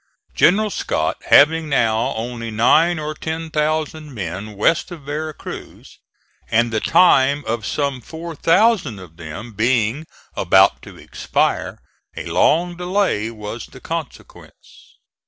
General Scott having now only nine or ten thousand men west of Vera Cruz, and the time of some four thousand of them being about to expire, a long delay was the consequence.